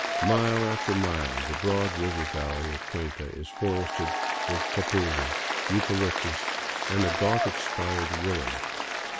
Mile after mile the broad river valley of Cuenca is forested with capuli, eucalyptus, and a Gothic spired willow.